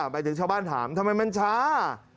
ไปถึงชาวบ้านถามทำไมมันช้า